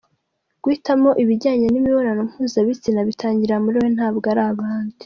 Guhitamo ibijyanye n’imibonano mpuzabitsina bitangirira muri wowe ntabwo ari abandi.